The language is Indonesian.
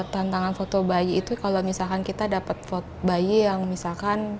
tantangan foto bayi itu kalau misalkan kita dapat foto bayi yang misalkan